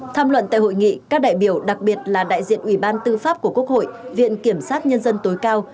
tham luận tại hội nghị các đại biểu đặc biệt là đại diện ủy ban tư pháp của quốc hội viện kiểm sát nhân dân tối cao